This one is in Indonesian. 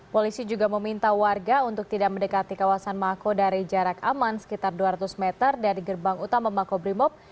polisi juga meminta warga untuk tidak mendekati kawasan mako dari jarak aman sekitar dua ratus meter dari gerbang utama makobrimob